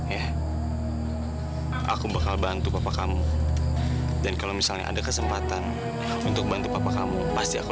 eh aku bakal bantu papa kamu dan kalau misalnya ada kesempatan untuk bantu papa kamu pasti aku